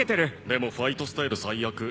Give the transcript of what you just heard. でもファイトスタイル最悪。